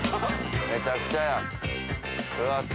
・めちゃくちゃや。